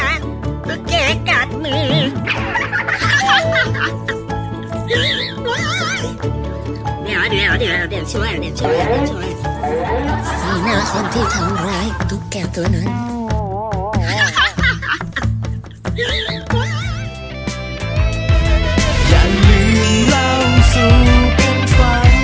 ยันหรือเล่าสู่กันฟัง